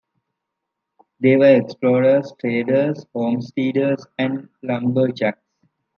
They were explorers, traders, homesteaders, and lumberjacks.